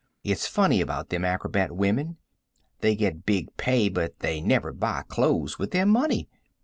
It's funny about them acrobat wimmen. They get big pay, but they never buy cloze with their money.